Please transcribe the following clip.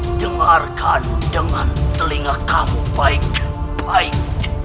dengarkan dengan telinga kamu baik dan baik